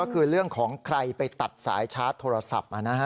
ก็คือเรื่องของใครไปตัดสายชาร์จโทรศัพท์